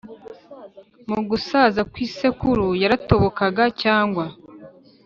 mu gusaza kw’isekuru yaratobokaga cyangwa